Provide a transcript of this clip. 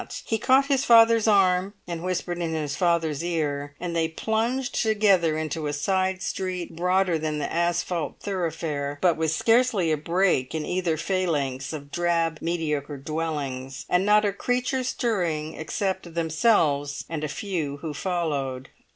He caught his father's arm, and whispered in his father's ear, and they plunged together into a side street broader than the asphalt thoroughfare, but with scarcely a break in either phalanx of drab mediocre dwellings, and not a creature stirring except themselves and a few who followed.